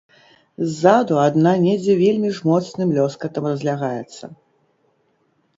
Ззаду адна недзе вельмі ж моцным лёскатам разлягаецца.